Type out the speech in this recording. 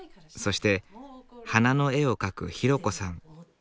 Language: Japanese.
そして花の絵を描くヒロコさん。